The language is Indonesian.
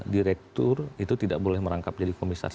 direktur itu tidak boleh merangkap jadi komisaris